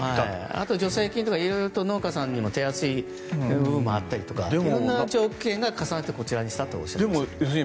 あと、助成金とか色々と農家さんに手厚い部分もあったという色んな条件が重なってこちらにしたとおっしゃっていました。